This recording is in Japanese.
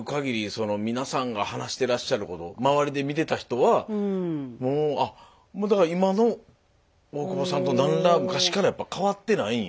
その皆さんが話してらっしゃること周りで見てた人はもうだから今の大久保さんと何ら昔からやっぱ変わってないんよ。